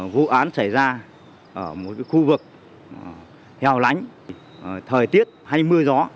vụ án xảy ra ở một khu vực hẻo lánh thời tiết hay mưa gió